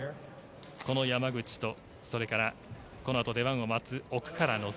この山口と、それからこのあと出番を待つ奥原希望